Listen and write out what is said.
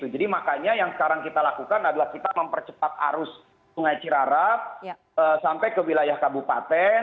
jadi makanya yang sekarang kita lakukan adalah kita mempercepat arus sungai ciarap sampai ke wilayah kabupaten